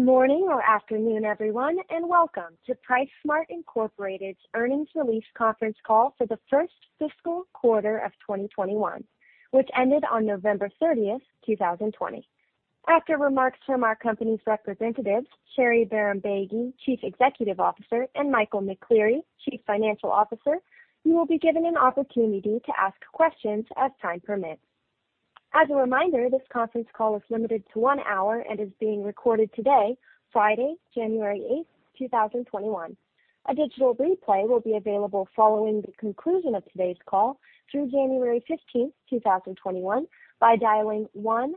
Good morning or afternoon, everyone, and welcome to PriceSmart, Inc.'s earnings release conference call for the first fiscal quarter of 2021, which ended on November 30th, 2020. After remarks from our company's representatives, Sherry Bahrambeygui, Chief Executive Officer, and Michael McCleary, Chief Financial Officer, you will be given an opportunity to ask questions as time permits. As a reminder, this conference call is limited to one hour and is being recorded today, Friday, January 8th, 2021. A digital replay will be available following the conclusion of today's call through January 15th, 2021 by dialing 1-877-344-7529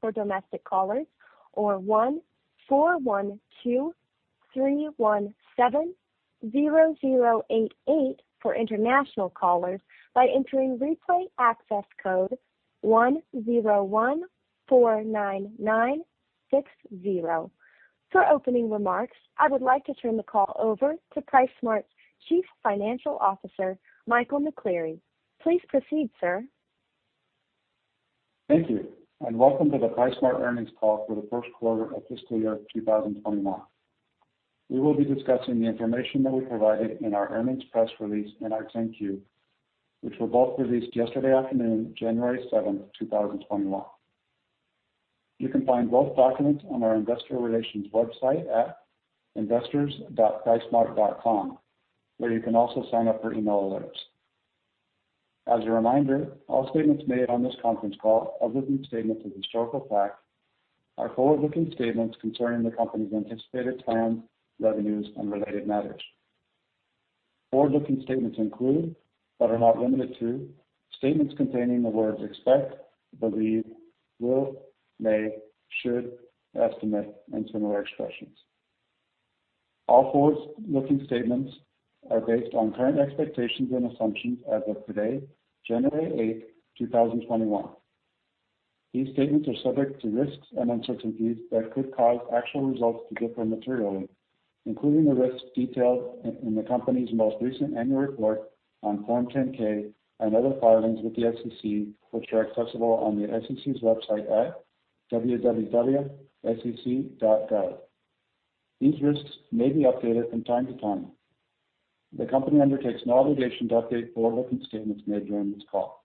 for domestic callers, or 1-412-317-0088 for international callers by entering replay access code 10149960. For opening remarks, I would like to turn the call over to PriceSmart's Chief Financial Officer, Michael McCleary. Please proceed, sir. Thank you, and welcome to the PriceSmart earnings call for the first quarter of fiscal year 2021. We will be discussing the information that we provided in our earnings press release and our 10-Q, which were both released yesterday afternoon, January 7, 2021. You can find both documents on our investor relations website at investors.pricesmart.com, where you can also sign up for email alerts. As a reminder, all statements made on this conference call, other than statements of historical fact, are forward-looking statements concerning the company's anticipated plans, revenues, and related matters. Forward-looking statements include, but are not limited to, statements containing the words "expect," "believe," "will," "may," "should," "estimate," and similar expressions. All forward-looking statements are based on current expectations and assumptions as of today, January 8, 2021. These statements are subject to risks and uncertainties that could cause actual results to differ materially, including the risks detailed in the company's most recent annual report on Form 10-K and other filings with the SEC, which are accessible on the SEC's website at www.sec.gov. These risks may be updated from time to time. The company undertakes no obligation to update forward-looking statements made during this call.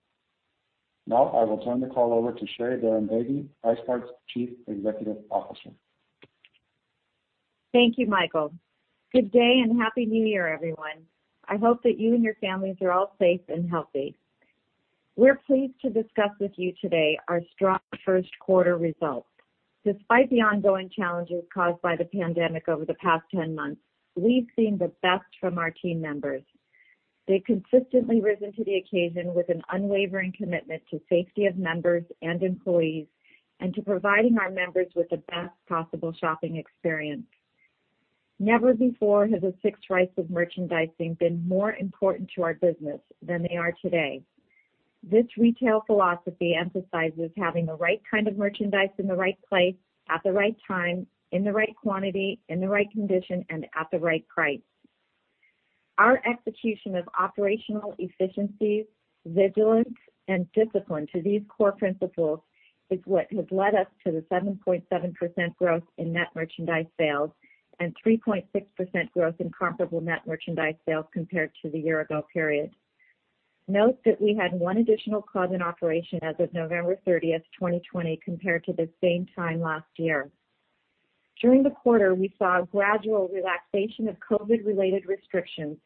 Now, I will turn the call over to Sherry Bahrambeygui, PriceSmart's Chief Executive Officer. Thank you, Michael. Good day, and happy New Year, everyone. I hope that you and your families are all safe and healthy. We're pleased to discuss with you today our strong first quarter results. Despite the ongoing challenges caused by the pandemic over the past 10 months, we've seen the best from our team members. They've consistently risen to the occasion with an unwavering commitment to safety of members and employees, and to providing our members with the best possible shopping experience. Never before has the six rights of merchandising been more important to our business than they are today. This retail philosophy emphasizes having the right kind of merchandise in the right place at the right time, in the right quantity, in the right condition, and at the right price. Our execution of operational efficiencies, vigilance, and discipline to these core principles is what has led us to the 7.7% growth in net merchandise sales and 3.6% growth in comparable net merchandise sales compared to the year-ago period. Note that we had one additional club in operation as of November 30, 2020, compared to the same time last year. During the quarter, we saw a gradual relaxation of COVID-19-related restrictions,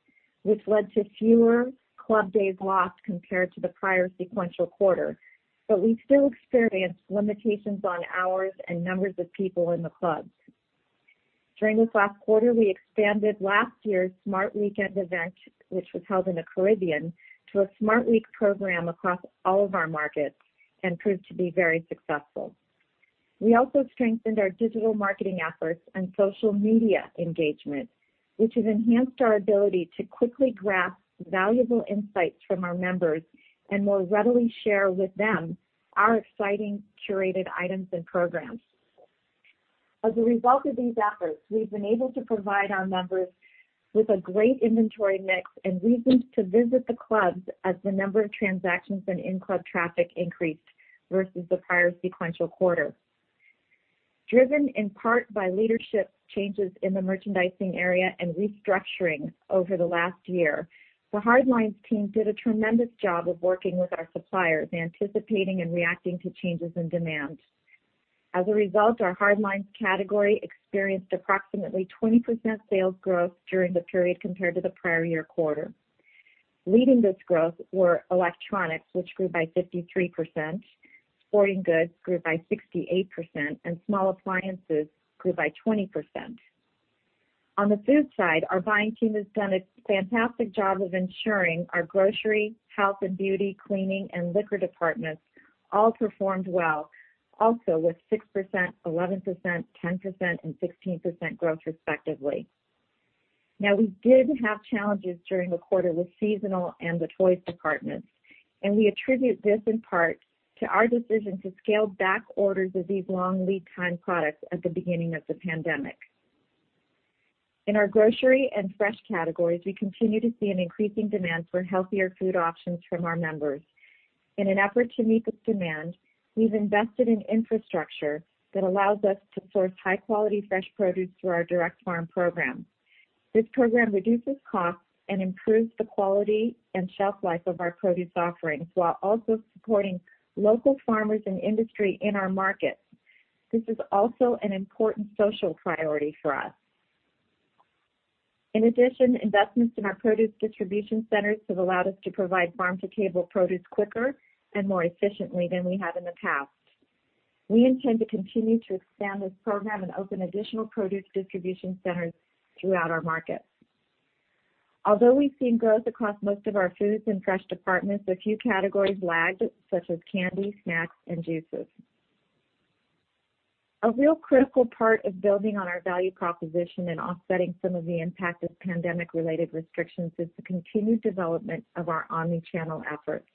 which led to fewer club days lost compared to the prior sequential quarter, but we still experienced limitations on hours and numbers of people in the clubs. During this last quarter, we expanded last year's Smart Weekend event, which was held in the Caribbean, to a Smart Week program across all of our markets and proved to be very successful. We also strengthened our digital marketing efforts and social media engagement, which has enhanced our ability to quickly grasp valuable insights from our members and more readily share with them our exciting curated items and programs. As a result of these efforts, we've been able to provide our members with a great inventory mix and reasons to visit the clubs as the number of transactions and in-club traffic increased versus the prior sequential quarter. Driven in part by leadership changes in the merchandising area and restructuring over the last year, the hardlines team did a tremendous job of working with our suppliers, anticipating and reacting to changes in demand. As a result, our hardlines category experienced approximately 20% sales growth during the period compared to the prior year quarter. Leading this growth were electronics, which grew by 53%, sporting goods grew by 68%, and small appliances grew by 20%. On the food side, our buying team has done a fantastic job of ensuring our grocery, health and beauty, cleaning, and liquor departments all performed well, also with 6%, 11%, 10%, and 16% growth respectively. Now, we did have challenges during the quarter with seasonal and the toys departments, and we attribute this in part to our decision to scale back orders of these long lead time products at the beginning of the pandemic. In our grocery and fresh categories, we continue to see an increasing demand for healthier food options from our members. In an effort to meet this demand, we've invested in infrastructure that allows us to source high-quality fresh produce through our direct farm program. This program reduces costs and improves the quality and shelf life of our produce offerings, while also supporting local farmers and industry in our markets. This is also an important social priority for us. In addition, investments in our produce distribution centers have allowed us to provide farm-to-table produce quicker and more efficiently than we have in the past. We intend to continue to expand this program and open additional produce distribution centers throughout our markets. Although we've seen growth across most of our foods and fresh departments, a few categories lagged, such as candy, snacks, and juices. A real critical part of building on our value proposition and offsetting some of the impact of pandemic-related restrictions is the continued development of our omni-channel efforts.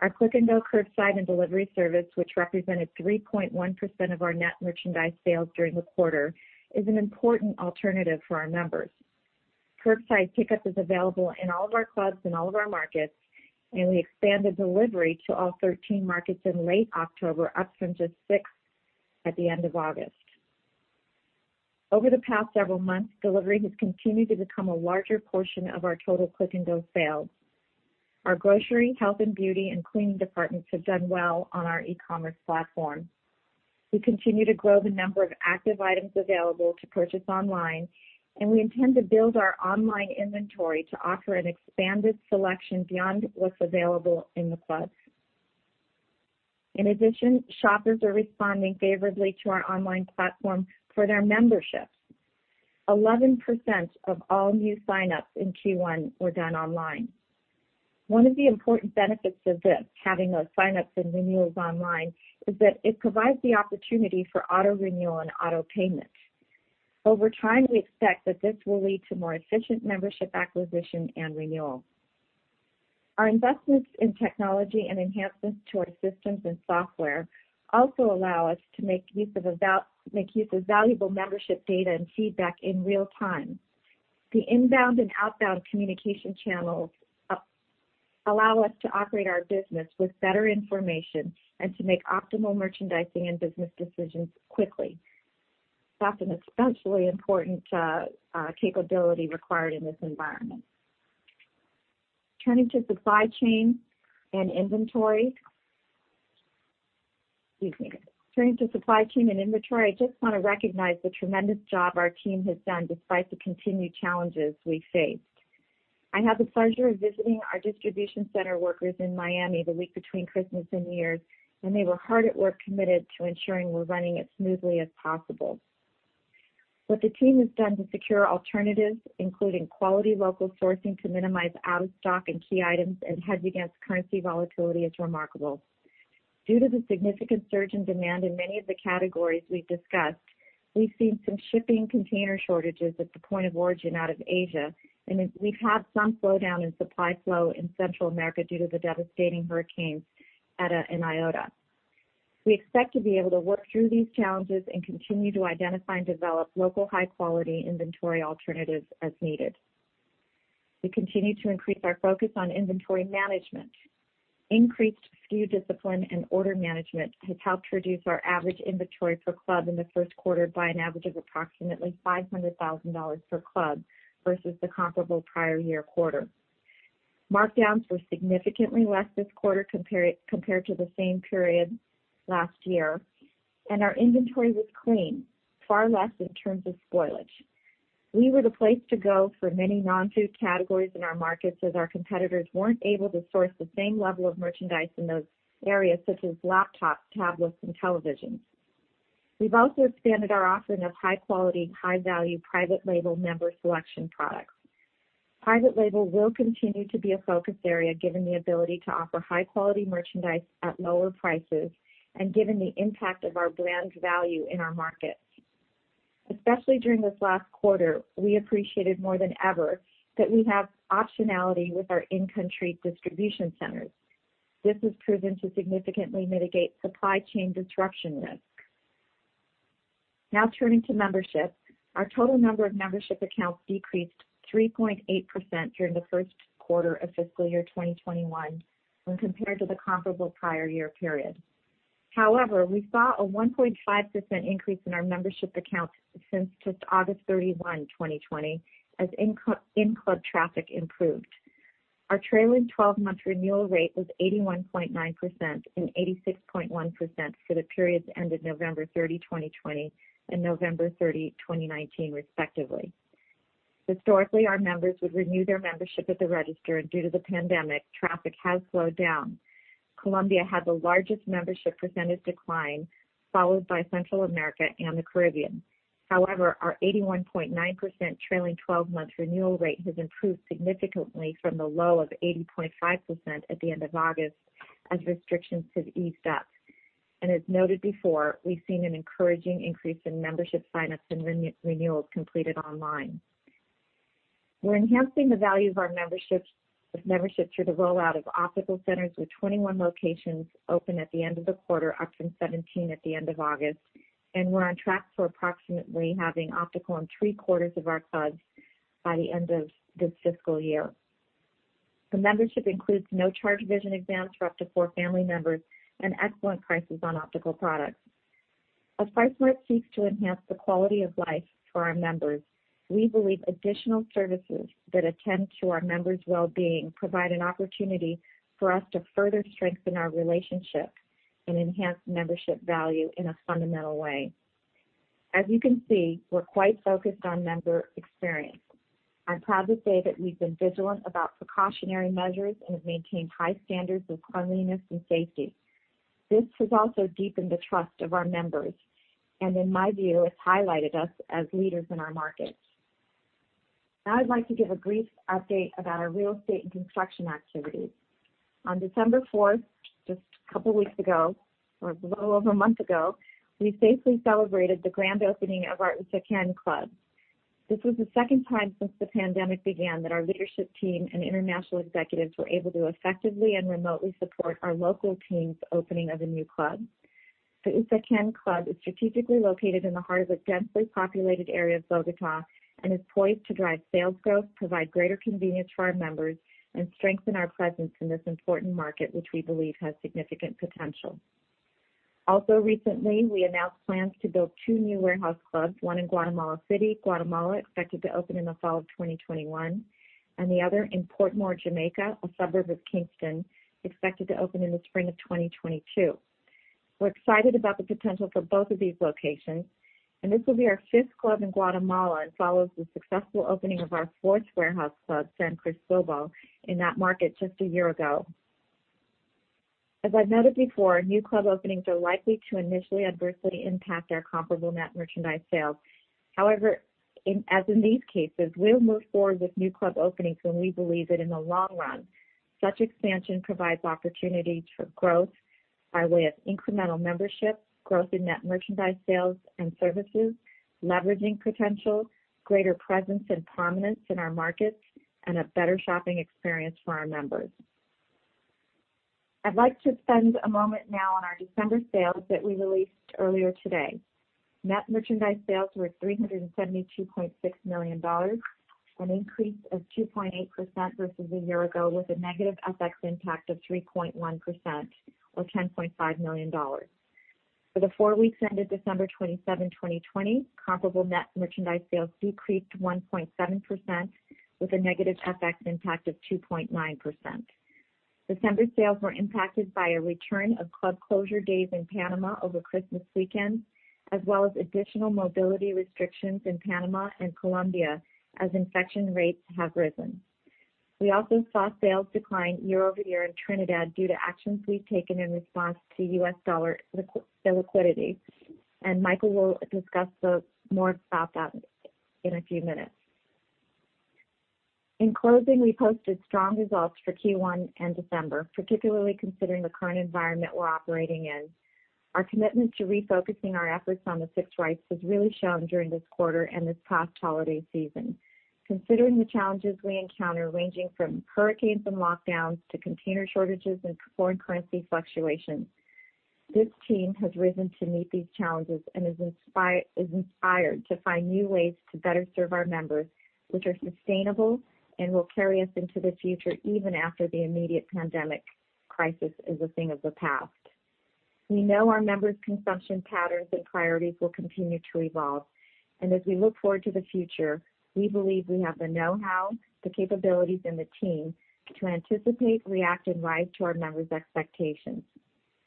Our Click & Go curbside and delivery service, which represented 3.1% of our net merchandise sales during the quarter, is an important alternative for our members. Curbside pickup is available in all of our clubs in all of our markets, and we expanded delivery to all 13 markets in late October, up from just six at the end of August. Over the past several months, delivery has continued to become a larger portion of our total Click & Go sales. Our grocery, health & beauty, and cleaning departments have done well on our e-commerce platform. We continue to grow the number of active items available to purchase online, and we intend to build our online inventory to offer an expanded selection beyond what's available in the clubs. In addition, shoppers are responding favorably to our online platform for their memberships. 11% of all new signups in Q1 were done online. One of the important benefits of this, having those signups and renewals online, is that it provides the opportunity for auto-renewal and auto-payments. Over time, we expect that this will lead to more efficient membership acquisition and renewal. Our investments in technology and enhancements to our systems and software also allow us to make use of valuable membership data and feedback in real time. The inbound and outbound communication channels allow us to operate our business with better information and to make optimal merchandising and business decisions quickly. That's an especially important capability required in this environment. Excuse me. Turning to supply chain and inventory, I just want to recognize the tremendous job our team has done despite the continued challenges we faced. I had the pleasure of visiting our distribution center workers in Miami the week between Christmas and New Year's, and they were hard at work, committed to ensuring we're running as smoothly as possible. What the team has done to secure alternatives, including quality local sourcing to minimize out of stock in key items and hedge against currency volatility, is remarkable. Due to the significant surge in demand in many of the categories we've discussed, we've seen some shipping container shortages at the point of origin out of Asia, and we've had some slowdown in supply flow in Central America due to the devastating hurricanes, Eta and Iota. We expect to be able to work through these challenges and continue to identify and develop local high-quality inventory alternatives as needed. We continue to increase our focus on inventory management. Increased SKU discipline and order management has helped reduce our average inventory per club in the first quarter by an average of approximately $500,000 per club versus the comparable prior year quarter. Markdowns were significantly less this quarter compared to the same period last year, and our inventory was clean, far less in terms of spoilage. We were the place to go for many non-food categories in our markets as our competitors weren't able to source the same level of merchandise in those areas, such as laptops, tablets, and televisions. We've also expanded our offering of high-quality, high-value private label Member's Selection products. Private label will continue to be a focus area, given the ability to offer high-quality merchandise at lower prices and given the impact of our brand value in our markets. Especially during this last quarter, we appreciated more than ever that we have optionality with our in-country distribution centers. This has proven to significantly mitigate supply chain disruption risk. Now turning to membership. Our total number of membership accounts decreased 3.8% during the first quarter of fiscal year 2021 when compared to the comparable prior year period. However, we saw a 1.5% increase in our membership accounts since just August 31, 2020, as in-club traffic improved. Our trailing 12-month renewal rate was 81.9% and 86.1% for the periods ended November 30, 2020, and November 30, 2019, respectively. Historically, our members would renew their membership at the register, and due to the pandemic, traffic has slowed down. Colombia had the largest membership percentage decline, followed by Central America and the Caribbean. However, our 81.9% trailing 12-month renewal rate has improved significantly from the low of 80.5% at the end of August as restrictions have eased up. As noted before, we've seen an encouraging increase in membership signups and renewals completed online. We're enhancing the value of our memberships through the rollout of optical centers with 21 locations open at the end of the quarter, up from 17 at the end of August. We're on track for approximately having optical in three quarters of our clubs by the end of this fiscal year. The membership includes no-charge vision exams for up to four family members and excellent prices on optical products. As PriceSmart seeks to enhance the quality of life for our members, we believe additional services that attend to our members' well-being provide an opportunity for us to further strengthen our relationship and enhance membership value in a fundamental way. As you can see, we're quite focused on member experience. I'm proud to say that we've been vigilant about precautionary measures and have maintained high standards of cleanliness and safety. This has also deepened the trust of our members, and in my view, it's highlighted us as leaders in our markets. I'd like to give a brief update about our real estate and construction activities. On December 4th, just a couple of weeks ago, or a little over a month ago, we safely celebrated the grand opening of our Usaquén club. This was the second time since the pandemic began that our leadership team and international executives were able to effectively and remotely support our local team's opening of a new club. The Usaquén club is strategically located in the heart of a densely populated area of Bogotá and is poised to drive sales growth, provide greater convenience for our members, and strengthen our presence in this important market, which we believe has significant potential. Also recently, we announced plans to build two new warehouse clubs, one in Guatemala City, Guatemala, expected to open in the fall of 2021, and the other in Portmore, Jamaica, a suburb of Kingston, expected to open in the spring of 2022. We're excited about the potential for both of these locations, and this will be our fifth club in Guatemala and follows the successful opening of our fourth warehouse club, San Cristóbal, in that market just a year ago. As I've noted before, new club openings are likely to initially adversely impact our comparable net merchandise sales. However, as in these cases, we'll move forward with new club openings when we believe that in the long run, such expansion provides opportunity for growth by way of incremental membership, growth in net merchandise sales and services, leveraging potential, greater presence and prominence in our markets, and a better shopping experience for our members. I'd like to spend a moment now on our December sales that we released earlier today. Net merchandise sales were $372.6 million, an increase of 2.8% versus a year ago, with a negative FX impact of 3.1% or $10.5 million. For the four weeks ended December 27, 2020, comparable net merchandise sales decreased 1.7% with a negative FX impact of 2.9%. December sales were impacted by a return of club closure days in Panama over Christmas weekend, as well as additional mobility restrictions in Panama and Colombia as infection rates have risen. We also saw sales decline year-over-year in Trinidad due to actions we've taken in response to US dollar illiquidity, and Michael will discuss more about that in a few minutes. In closing, we posted strong results for Q1 and December, particularly considering the current environment we're operating in. Our commitment to refocusing our efforts on the six rights has really shown during this quarter and this past holiday season. Considering the challenges we encounter, ranging from hurricanes and lockdowns to container shortages and foreign currency fluctuations, this team has risen to meet these challenges and is inspired to find new ways to better serve our members, which are sustainable and will carry us into the future even after the immediate pandemic crisis is a thing of the past. As we look forward to the future, we believe we have the know-how, the capabilities, and the team to anticipate, react, and rise to our members' expectations.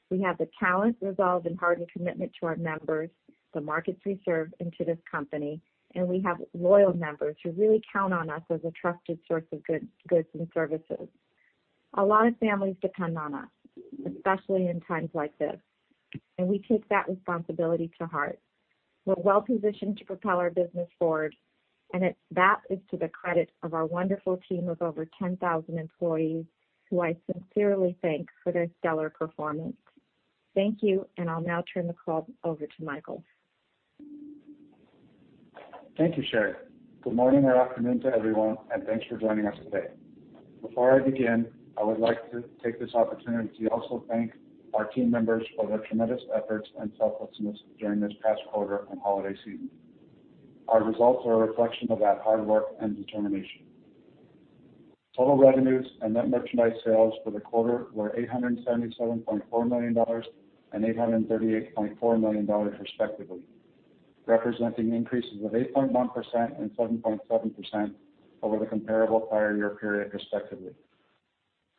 We have the talent, resolve, and heart and commitment to our members, the markets we serve, and to this company. We have loyal members who really count on us as a trusted source of goods and services. A lot of families depend on us, especially in times like this, and we take that responsibility to heart. We're well-positioned to propel our business forward, and that is to the credit of our wonderful team of over 10,000 employees who I sincerely thank for their stellar performance. Thank you, and I'll now turn the call over to Michael. Thank you, Sherry. Good morning or afternoon to everyone, and thanks for joining us today. Before I begin, I would like to take this opportunity to also thank our team members for their tremendous efforts and selflessness during this past quarter and holiday season. Our results are a reflection of that hard work and determination. Total revenues and net merchandise sales for the quarter were $877.4 million and $838.4 million, respectively, representing increases of 8.1% and 7.7% over the comparable prior year period, respectively.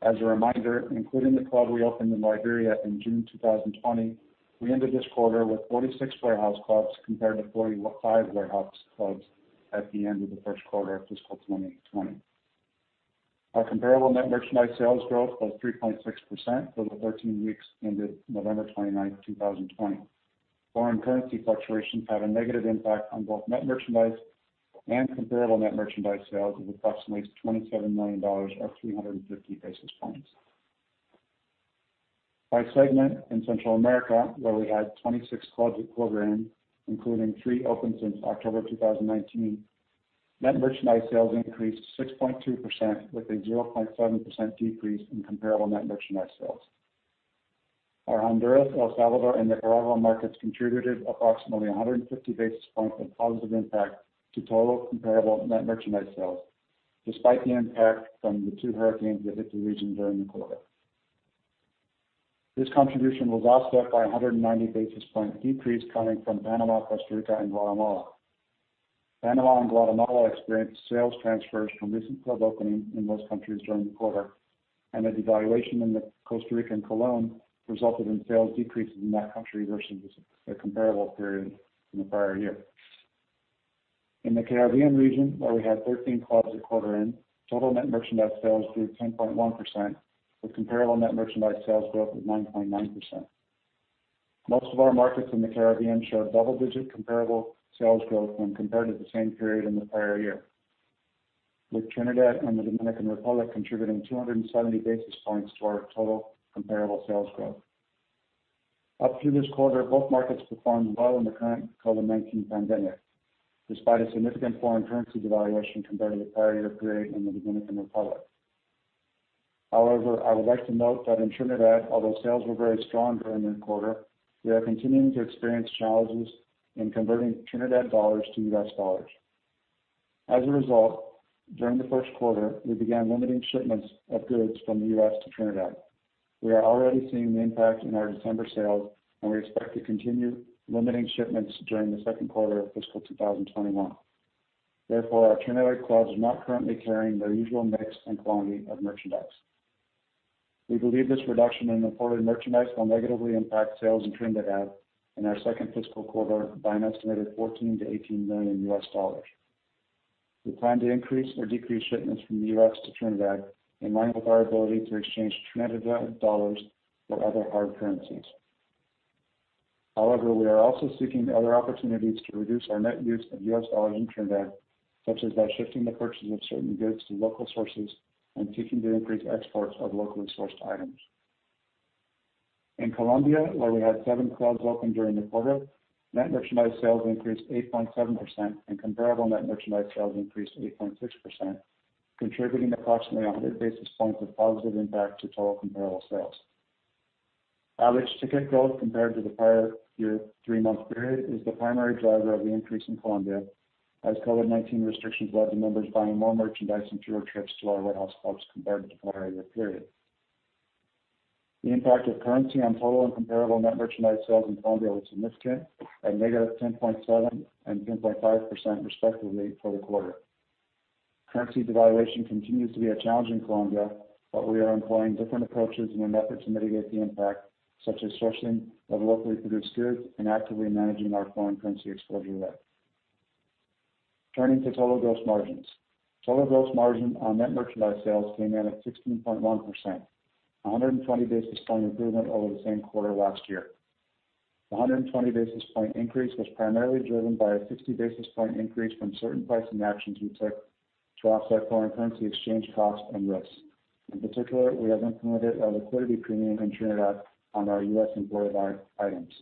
As a reminder, including the club we opened in Liberia in June 2020, we ended this quarter with 46 warehouse clubs compared to 45 warehouse clubs at the end of the first quarter of fiscal 2020. Our comparable net merchandise sales growth was 3.6% for the 13 weeks ended November 29, 2020. Foreign currency fluctuations had a negative impact on both net merchandise and comparable net merchandise sales of approximately $27 million or 350 basis points. By segment in Central America, where we had 26 clubs at quarter end, including three open since October 2019, net merchandise sales increased 6.2%, with a 0.7% decrease in comparable net merchandise sales. Our Honduras, El Salvador, and Nicaragua markets contributed approximately 150 basis points of positive impact to total comparable net merchandise sales, despite the impact from the two hurricanes that hit the region during the quarter. This contribution was offset by 190 basis point decrease coming from Panama, Costa Rica and Guatemala. Panama and Guatemala experienced sales transfers from recent club openings in those countries during the quarter. The devaluation in the Costa Rican colon resulted in sales decreases in that country versus the comparable period in the prior year. In the Caribbean region, where we had 13 clubs at quarter end, total net merchandise sales grew 10.1%, with comparable net merchandise sales growth of 9.9%. Most of our markets in the Caribbean showed double-digit comparable sales growth when compared to the same period in the prior year, with Trinidad and the Dominican Republic contributing 270 basis points to our total comparable sales growth. Up through this quarter, both markets performed well in the current COVID-19 pandemic, despite a significant foreign currency devaluation compared to the prior year period in the Dominican Republic. However, I would like to note that in Trinidad, although sales were very strong during the quarter, we are continuing to experience challenges in converting Trinidad dollars to US dollars. As a result, during the first quarter, we began limiting shipments of goods from the U.S. to Trinidad. We are already seeing the impact in our December sales, and we expect to continue limiting shipments during the second quarter of fiscal 2021. Therefore, our Trinidad clubs are not currently carrying their usual mix and quantity of merchandise. We believe this reduction in imported merchandise will negatively impact sales in Trinidad in our second fiscal quarter by an estimated $14 million-$18 million. We plan to increase or decrease shipments from the U.S. to Trinidad in line with our ability to exchange Trinidad dollars for other hard currencies. However, we are also seeking other opportunities to reduce our net use of US dollars in Trinidad, such as by shifting the purchase of certain goods to local sources and seeking to increase exports of locally sourced items. In Colombia, where we had seven clubs open during the quarter, net merchandise sales increased 8.7%, and comparable net merchandise sales increased 8.6%, contributing approximately 100 basis points of positive impact to total comparable sales. Average ticket growth compared to the prior year three-month period is the primary driver of the increase in Colombia, as COVID-19 restrictions led to members buying more merchandise and fewer trips to our warehouse clubs compared to the prior year period. The impact of currency on total and comparable net merchandise sales in Colombia was significant, at -10.7% and 10.5% respectively for the quarter. Currency devaluation continues to be a challenge in Colombia, but we are employing different approaches in an effort to mitigate the impact, such as sourcing of locally produced goods and actively managing our foreign currency exposure risk. Turning to total gross margins. Total gross margin on net merchandise sales came in at 16.1%, 120 basis point improvement over the same quarter last year. The 120 basis point increase was primarily driven by a 60 basis point increase from certain pricing actions we took to offset foreign currency exchange costs and risks. In particular, we have implemented a liquidity premium in Trinidad on our U.S. imported items.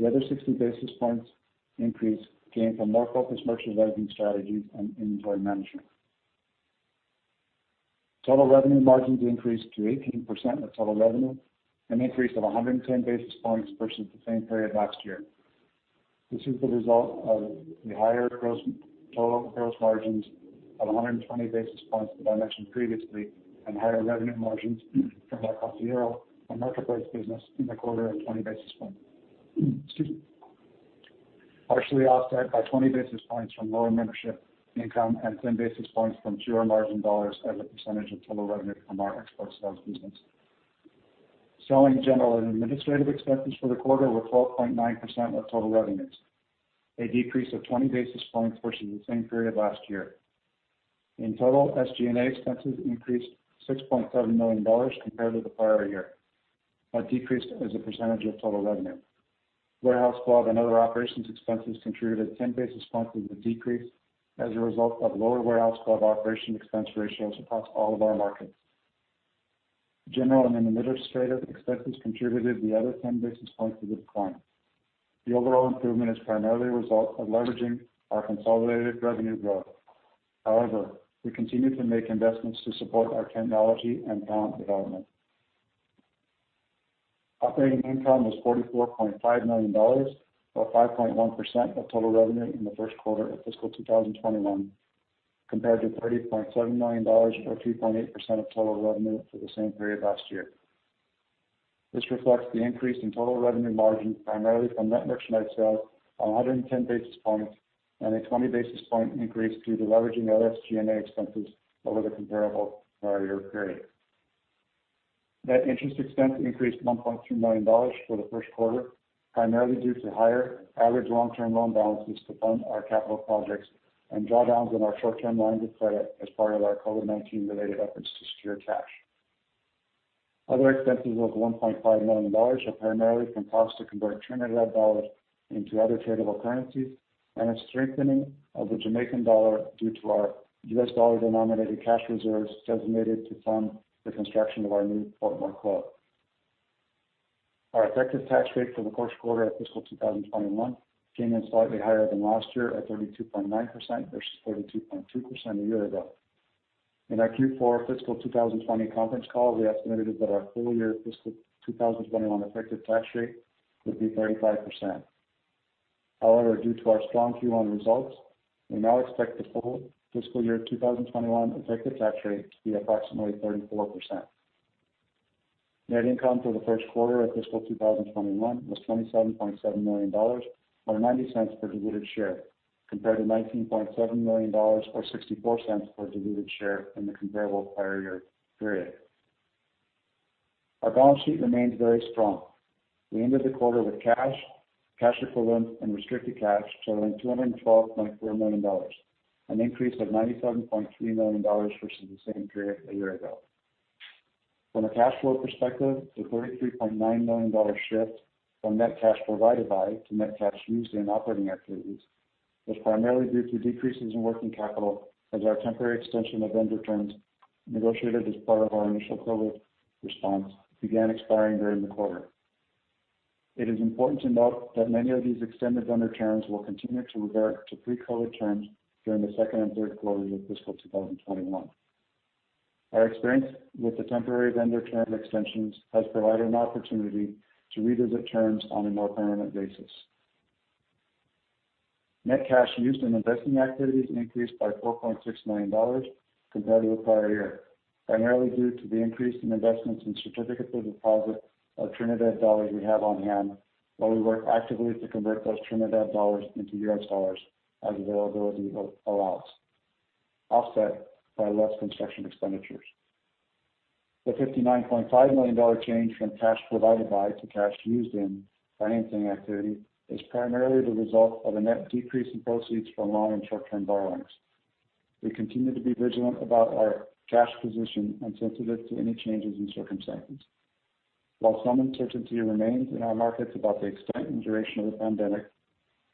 The other 60 basis points increase came from more focused merchandising strategies and inventory management. Total revenue margins increased to 18% of total revenue, an increase of 110 basis points versus the same period last year. This is the result of the higher total gross margins of 120 basis points that I mentioned previously, and higher revenue margins from La Costera, our marketplace business in the quarter of 20 basis points. Excuse me. Partially offset by 20 basis points from lower membership income and 10 basis points from fewer margin dollars as a percentage of total revenue from our export sales business. Selling, general, and administrative expenses for the quarter were 12.9% of total revenues, a decrease of 20 basis points versus the same period last year. In total, SG&A expenses increased $6.7 million compared to the prior year, a decrease as a percentage of total revenue. Warehouse club and other operations expenses contributed 10 basis points of the decrease as a result of lower warehouse club operation expense ratios across all of our markets. General and administrative expenses contributed the other 10 basis points to the decline. The overall improvement is primarily a result of leveraging our consolidated revenue growth. However, we continue to make investments to support our technology and talent development. Operating income was $44.5 million or 5.1% of total revenue in the first quarter of fiscal 2021 compared to $30.7 million or 2.8% of total revenue for the same period last year. This reflects the increase in total revenue margin primarily from net merchandise sales of 110 basis points and a 20 basis point increase due to leveraging SG&A expenses over the comparable prior year period. Net interest expense increased $1.3 million for the first quarter, primarily due to higher average long-term loan balances to fund our capital projects and drawdowns on our short-term lines of credit as part of our COVID-19 related efforts to secure cash. Other expenses of $1.5 million are primarily from costs to convert Trinidad dollars into other tradable currencies. A strengthening of the Jamaican dollar due to our U.S. dollar-denominated cash reserves designated to fund the construction of our new Portmore club. Our effective tax rate for the quarter at fiscal 2021 came in slightly higher than last year at 32.9% versus 32.2% a year ago. In our Q4 fiscal 2020 conference call, we estimated that our full-year fiscal 2021 effective tax rate would be 35%. However, due to our strong Q1 results, we now expect the full fiscal year 2021 effective tax rate to be approximately 34%. Net income for the first quarter of fiscal 2021 was $27.7 million, or $0.90 per diluted share, compared to $19.7 million or $0.64 per diluted share in the comparable prior year period. Our balance sheet remains very strong. We ended the quarter with cash equivalents, and restricted cash totaling $212.4 million, an increase of $97.3 million versus the same period a year ago. From a cash flow perspective, the $33.9 million shift from net cash provided by to net cash used in operating activities was primarily due to decreases in working capital as our temporary extension of vendor terms negotiated as part of our initial COVID response began expiring during the quarter. It is important to note that many of these extended vendor terms will continue to revert to pre-COVID terms during the second and third quarters of fiscal 2021. Our experience with the temporary vendor term extensions has provided an opportunity to revisit terms on a more permanent basis. Net cash used in investing activities increased by $4.6 million compared to the prior year, primarily due to the increase in investments in certificates of deposit of Trinidad dollars we have on hand while we work actively to convert those Trinidad dollars into US dollars as availability allows, offset by less construction expenditures. The $59.5 million change from cash provided by to cash used in financing activity is primarily the result of a net decrease in proceeds from long- and short-term borrowings. We continue to be vigilant about our cash position and sensitive to any changes in circumstances. While some uncertainty remains in our markets about the extent and duration of the pandemic,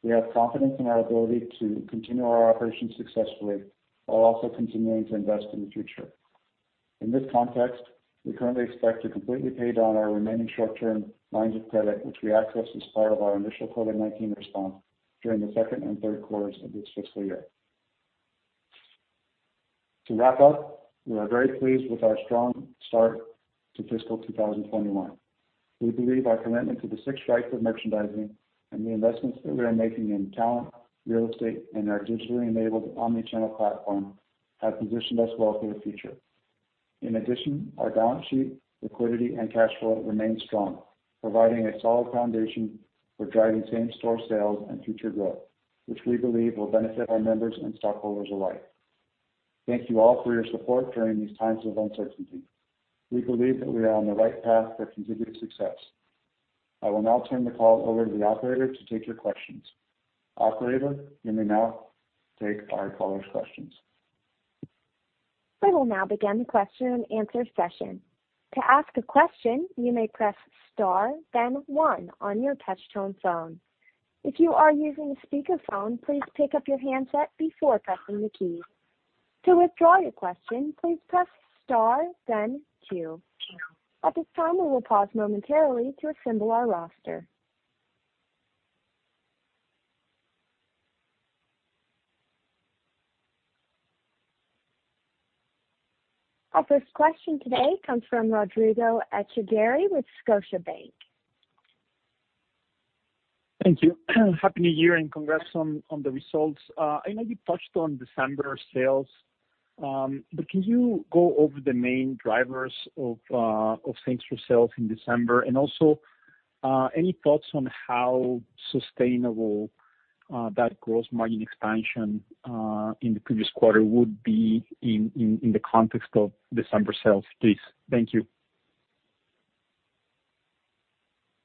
we have confidence in our ability to continue our operations successfully while also continuing to invest in the future. In this context, we currently expect to completely pay down our remaining short-term lines of credit, which we accessed as part of our initial COVID-19 response during the second and third quarters of this fiscal year. To wrap up, we are very pleased with our strong start to fiscal 2021. We believe our commitment to the six rights of merchandising and the investments that we are making in talent, real estate, and our digitally enabled omni-channel platform have positioned us well for the future. In addition, our balance sheet liquidity and cash flow remain strong, providing a solid foundation for driving same-store sales and future growth, which we believe will benefit our members and stockholders alike. Thank you all for your support during these times of uncertainty. We believe that we are on the right path for continued success. I will now turn the call over to the operator to take your questions. Operator, you may now take our callers' questions. Our first question today comes from Rodrigo Echagaray with Scotiabank. Thank you. Happy New Year, and congrats on the results. I know you touched on December sales, but can you go over the main drivers of same-store sales in December? Also, any thoughts on how sustainable that gross margin expansion in the previous quarter would be in the context of December sales, please? Thank you.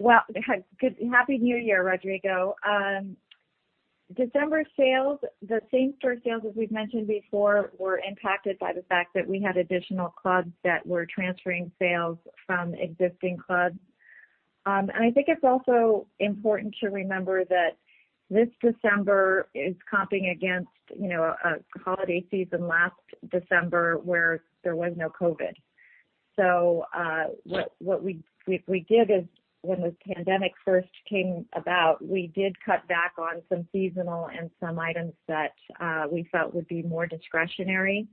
Happy New Year, Rodrigo. December sales, the same-store sales as we've mentioned before, were impacted by the fact that we had additional clubs that were transferring sales from existing clubs. I think it's also important to remember that this December is comping against a holiday season last December where there was no COVID. What we did is when the pandemic first came about, we did cut back on some seasonal and some items that we felt would be more discretionary,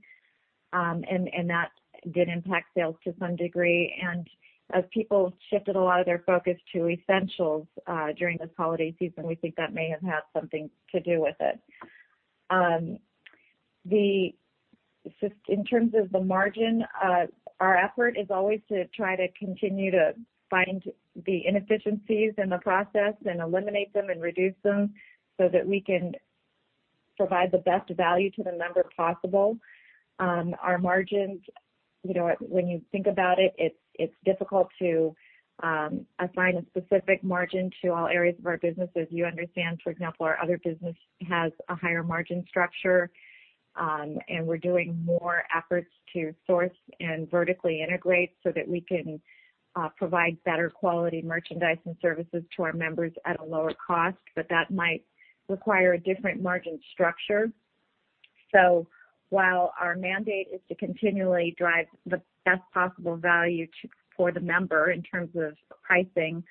and that did impact sales to some degree. As people shifted a lot of their focus to essentials during this holiday season, we think that may have had something to do with it. In terms of the margin, our effort is always to try to continue to find the inefficiencies in the process and eliminate them and reduce them so that we can provide the best value to the member possible. Our margins, when you think about it's difficult to assign a specific margin to all areas of our business. As you understand, for example, our other business has a higher margin structure. We're doing more efforts to source and vertically integrate so that we can provide better quality merchandise and services to our members at a lower cost. That might require a different margin structure. While our mandate is to continually drive the best possible value for the member in terms of pricing,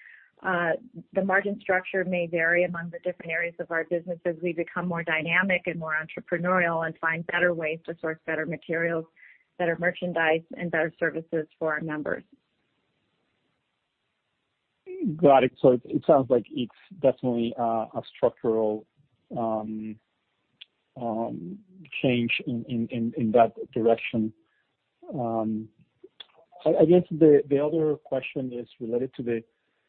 the margin structure may vary among the different areas of our business as we become more dynamic and more entrepreneurial and find better ways to source better materials, better merchandise, and better services for our members. Got it. It sounds like it's definitely a structural change in that direction. I guess the other question is related to the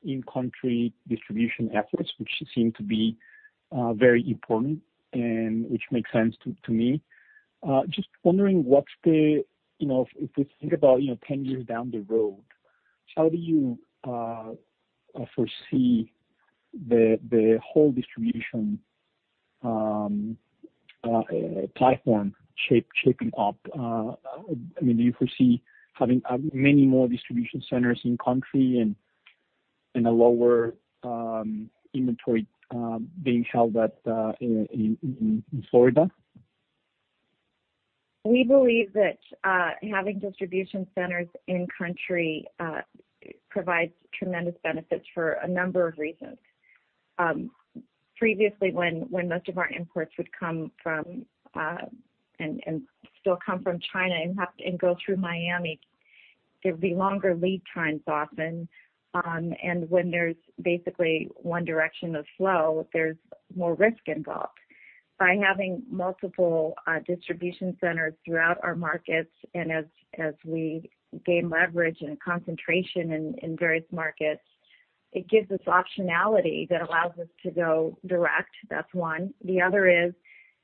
in-country distribution efforts, which seem to be very important and which makes sense to me. Just wondering, if we think about 10 years down the road, how do you foresee the whole distribution platform shaping up? Do you foresee having many more distribution centers in country and a lower inventory being held in Florida? We believe that having distribution centers in country provides tremendous benefits for a number of reasons. Previously, when most of our imports would come from, and still come from China and go through Miami, there'd be longer lead times often. When there's basically one direction of flow, there's more risk involved. By having multiple distribution centers throughout our markets, and as we gain leverage and concentration in various markets, it gives us optionality that allows us to go direct. That's one. The other is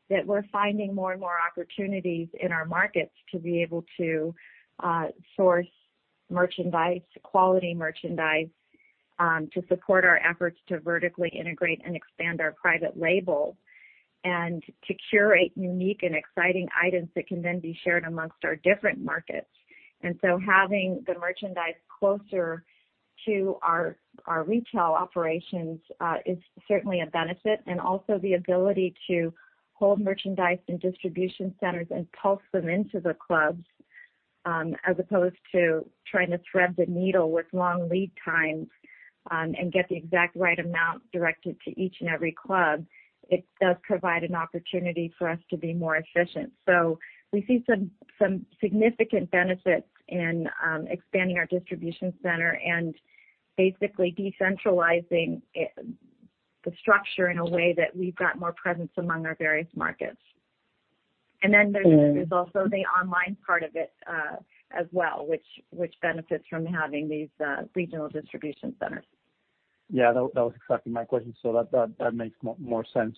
that we're finding more and more opportunities in our markets to be able to source quality merchandise to support our efforts to vertically integrate and expand our private label and to curate unique and exciting items that can then be shared amongst our different markets. Having the merchandise closer to our retail operations is certainly a benefit. Also the ability to hold merchandise in distribution centers and pulse them into the clubs, as opposed to trying to thread the needle with long lead times, and get the exact right amount directed to each and every club. It does provide an opportunity for us to be more efficient. We see some significant benefits in expanding our distribution center and basically decentralizing the structure in a way that we've got more presence among our various markets. Then there's also the online part of it as well, which benefits from having these regional distribution centers. Yeah, that was exactly my question. That makes more sense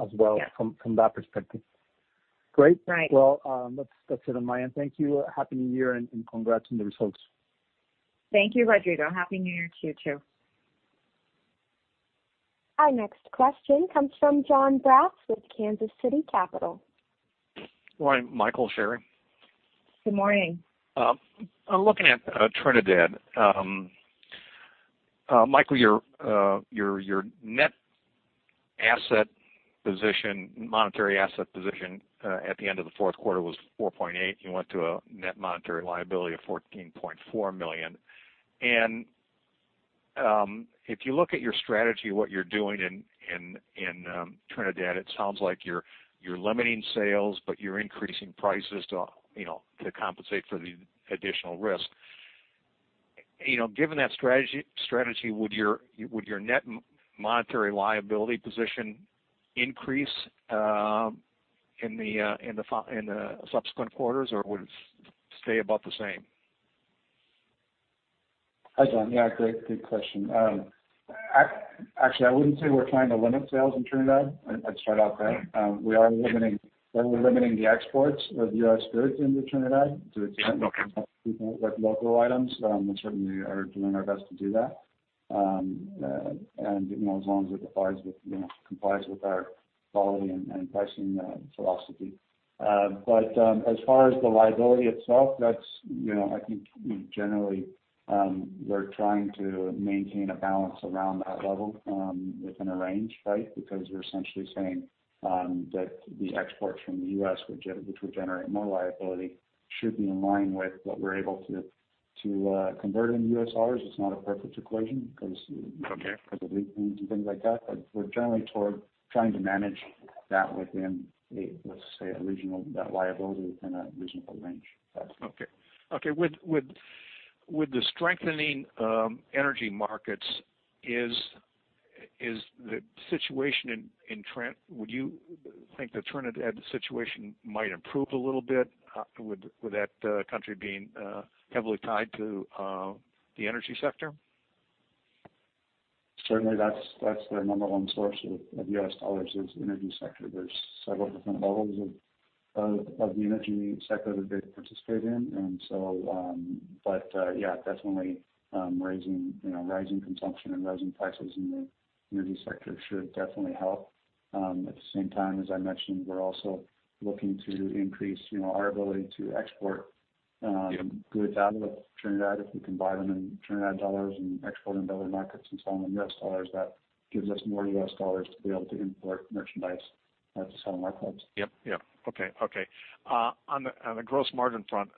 as well from that perspective. Great. Well, that's it on my end. Thank you. Happy New Year. Congrats on the results. Thank you, Rodrigo. Happy New Year to you, too. Our next question comes from Jon Braatz with Kansas City Capital. Good morning, Michael, Sherry. Good morning. I'm looking at Trinidad. Michael, your net monetary asset position at the end of the fourth quarter was $4.8. You went to a net monetary liability of $14.4 million. If you look at your strategy, what you're doing in Trinidad, it sounds like you're limiting sales, but you're increasing prices to compensate for the additional risk. Given that strategy, would your net monetary liability position increase in the subsequent quarters, or would it stay about the same? Hi, Jon. Great question. Actually, I wouldn't say we're trying to limit sales in Trinidad. Let's start off there. We are limiting the exports of U.S. spirits into Trinidad to local items, and certainly are doing our best to do that. As long as it complies with our quality and pricing philosophy. As far as the liability itself, I think generally, we're trying to maintain a balance around that level within a range, right? We're essentially saying that the exports from the U.S., which would generate more liability, should be in line with what we're able to convert into U.S. dollars of lead times and things like that, but we're generally trying to manage that within, let's say, that liability within a reasonable range. Okay. With the strengthening energy markets, would you think the Trinidad situation might improve a little bit with that country being heavily tied to the energy sector? Certainly, that's their number one source of U.S. dollars, is energy sector. There's several different levels of the energy sector that they participate in. Yeah, definitely rising consumption and rising prices in the energy sector should definitely help. At the same time, as I mentioned, we're also looking to increase our ability to export goods with Trinidad, if we can buy them in Trinidad dollars and export in other markets and sell them in U.S. dollars, that gives us more U.S. dollars to be able to import merchandise to sell in our clubs. Yep. Okay. On the gross margin front,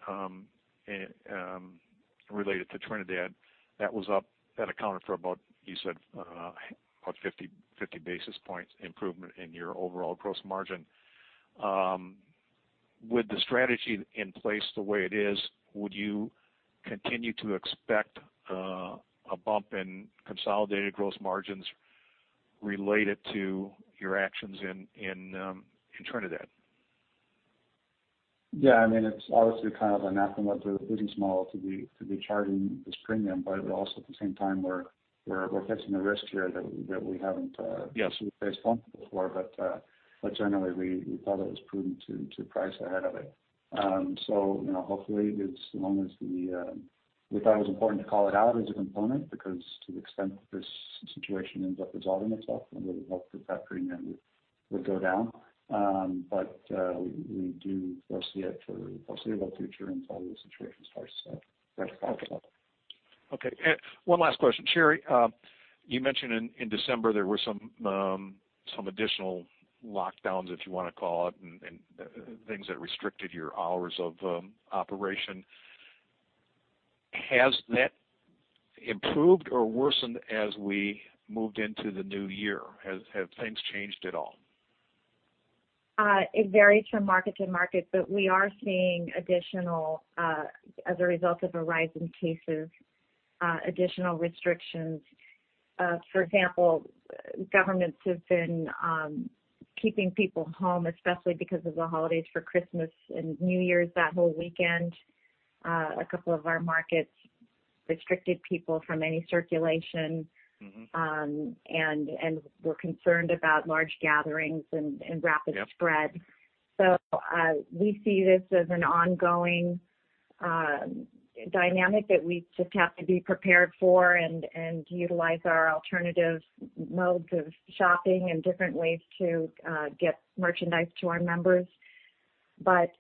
related to Trinidad, that was up, that accounted for about, you said, about 50 basis points improvement in your overall gross margin. With the strategy in place the way it is, would you continue to expect a bump in consolidated gross margins related to your actions in Trinidad? It's obviously a mathematical business model to be charging this premium. Also at the same time, we're catching the risk here faced before. Generally, we felt it was prudent to price ahead of it. Hopefully, we thought it was important to call it out as a component, because to the extent that this situation ends up resolving itself, and we would hope that that premium would go down. We do foresee it for the foreseeable future until the situation starts to resolve. Okay. One last question. Sherry, you mentioned in December there were some additional lockdowns, if you want to call it, and things that restricted your hours of operation. Has that improved or worsened as we moved into the new year? Have things changed at all? It varies from market to market, but we are seeing, as a result of a rise in cases, additional restrictions. For example, governments have been keeping people home, especially because of the holidays for Christmas and New Year's, that whole weekend. A couple of our markets restricted people from any circulation. Were concerned about large gatherings and rapid spread. We see this as an ongoing dynamic that we just have to be prepared for and utilize our alternative modes of shopping and different ways to get merchandise to our members.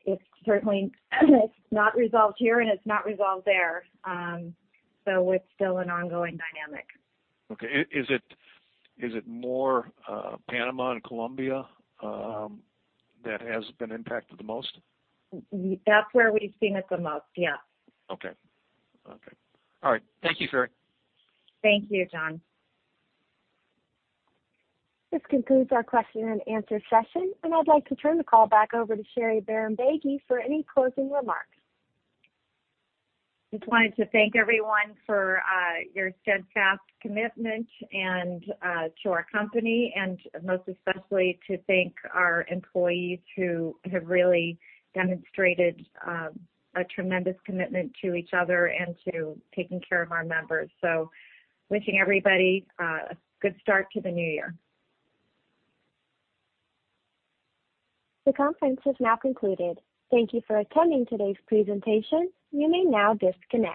It's certainly not resolved here and it's not resolved there. It's still an ongoing dynamic. Okay. Is it more Panama and Colombia that has been impacted the most? That's where we've seen it the most. Yeah. Okay. All right. Thank you, Sherry. Thank you, Jon. This concludes our question and answer session, and I'd like to turn the call back over to Sherry Bahrambeygui for any closing remarks. Just wanted to thank everyone for your steadfast commitment and to our company, and most especially, to thank our employees who have really demonstrated a tremendous commitment to each other and to taking care of our members. Wishing everybody a good start to the new year. The conference is now concluded. Thank you for attending today's presentation. You may now disconnect.